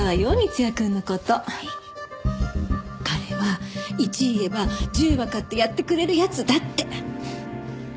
彼は１言えば１０わかってやってくれる奴だって。